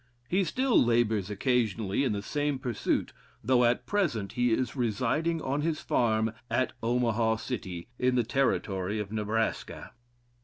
He still labors occasionally in the same pursuit, though at present he is residing on his farm at Omaha City, in the Territory of Nebraska.